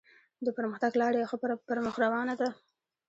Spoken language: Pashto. د پرمختګ لاره یې ښه پر مخ روانه ده.